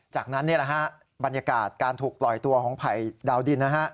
จากนั้นบรรยากาศการถูกปล่อยตัวของภัยดาวดิน